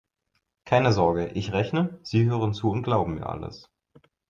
Keine Sorge: Ich rechne, Sie hören zu und glauben mir alles.